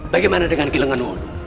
bagaimana dengan kilangan wolu